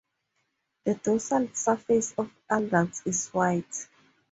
The dorsal surface of adults is white.